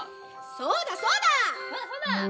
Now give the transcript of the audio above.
そうだそうだ！